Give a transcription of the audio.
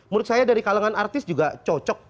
menurut saya dari kalangan artis juga cocok